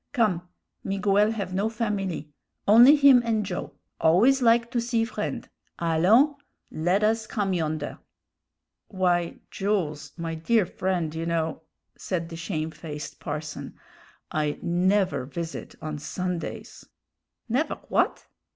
Come; Miguel have no familie; only him and Joe always like to see friend; allons, led us come yonder." "Why, Jools, my dear friend, you know," said the shamefaced parson, "I never visit on Sundays." "Never w'at?"